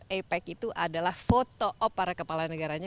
apec itu adalah foto op para kepala negaranya